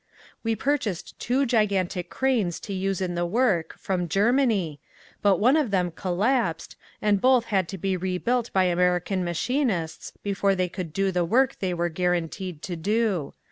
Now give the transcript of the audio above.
We purchased two gigantic cranes to use in the work from Germany, but one of them collapsed and both had to be rebuilt by American machinists before they would do the work they were guaranteed to do.